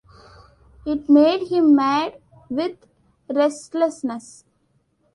It made him mad with restlessness.